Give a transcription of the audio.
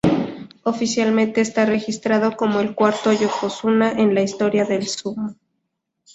Oficialmente está registrado como el cuarto "yokozuna" en la historia del sumo.